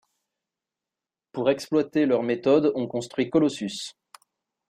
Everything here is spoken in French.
Pour exploiter leurs méthodes, on construit Colossus.